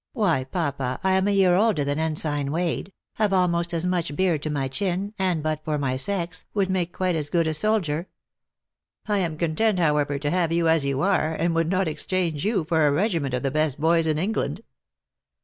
Why, papa, I am a year older than ensign Wade, have al most as much beard to my chin, and, but for rny sex, would make quite as good a soldier." " I arn content, however, to have yon as you are, and would not exchange you for a regiment of the best boys in England."